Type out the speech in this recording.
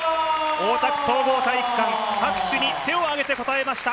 大田区総合体育館、拍手に手を挙げて答えました。